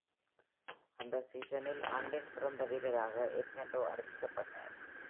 அந்த சீஸனில், ஆண்டின் சிறந்த வீரராக எட்மண்டோ அறிவிக்கப்பட்டார்.